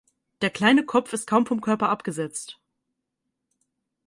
Der kleine Kopf ist kaum vom Körper abgesetzt.